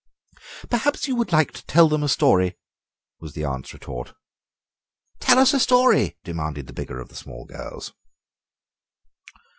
"Perhaps you would like to tell them a story," was the aunt's retort. "Tell us a story," demanded the bigger of the small girls.